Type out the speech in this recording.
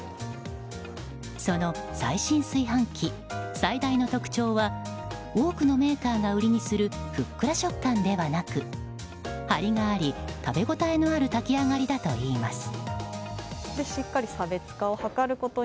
その最新炊飯器、最大の特徴は多くのメーカーが売りにするふっくら食感ではなくハリがあり、食べ応えのある炊き上がりだといいます。